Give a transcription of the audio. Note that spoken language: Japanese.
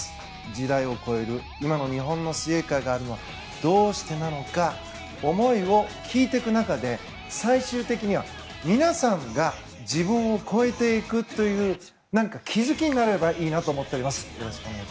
時代を超える今の日本の水泳界があるのはどうしてなのか思いを聞いていく中で最終的には皆さんが自分を超えていくという気づきになればいいなと思っています。